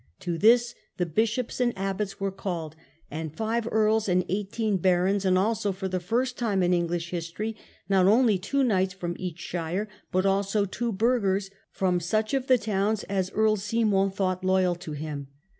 To this the bishops and abbots were called, and fi\e earls and eighteen barons, and also, for the first time in English history, not only two knights from each shire, but also two burghers from such of the towns as Earl Simon thought loyal to him.